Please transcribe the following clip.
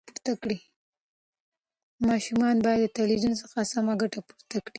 ماشومان باید د تلویزیون څخه سمه ګټه پورته کړي.